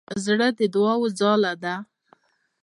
زړه د دوعا ځاله ده.